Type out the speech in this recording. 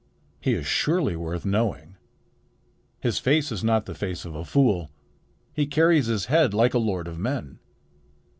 "He is surely worth knowing. His face is not the face of a fool. He carries his head like a lord of men."